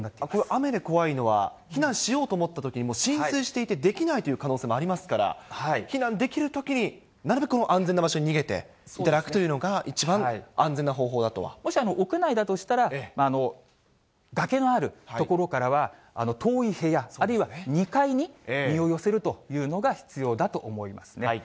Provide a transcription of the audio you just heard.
雨で怖いのは、避難しようと思ったときにもう浸水していてできないという可能性もありますから、避難できるときになるべく安全な場所に逃げていただくというのが、もし屋内だとしたら、崖のある所からは遠い部屋、あるいは２階に身を寄せるというのが必要だと思いますね。